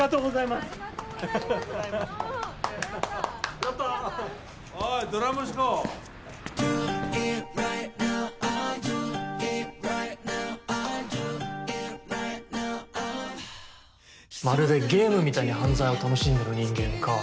まるでゲームみたいに犯罪を楽しんでる人間か